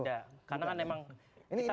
tidak karena memang kita